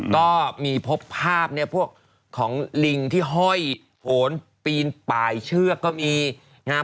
ก็มีพบภาพพวกของลิงที่ห้อยโผนปีนปลายเชือกก็มีนะฮะ